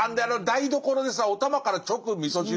台所でさおたまから直みそ汁。